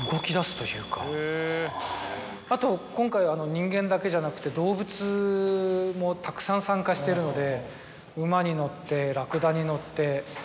あと今回人間だけじゃなくて動物もたくさん参加してるので。